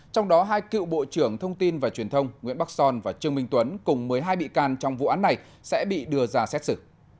trong đó hai cựu bộ trưởng thông tin và truyền thông nguyễn bắc son và trương minh tuấn cùng một mươi hai bị can trong vụ án này sẽ bị đưa ra xét xử